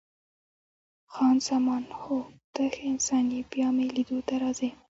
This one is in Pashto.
خان زمان: هو، ته ښه انسان یې، بیا مې لیدو ته راځې؟